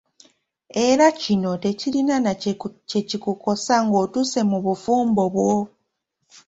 Era kino tekirina nakyekikukosa ng'otuuse mu bufumbo bwo.